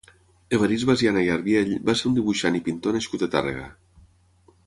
Evarist Basiana i Arbiell va ser un dibuixant i pintor nascut a Tàrrega.